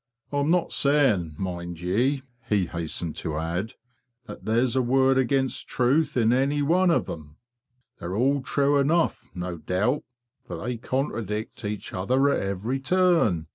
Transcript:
""T'm not saying, mind ye,'' he hastened to add, "that there's a word against truth in any one of them. They're all true enough, no doubt, for they contradict each other at every turn.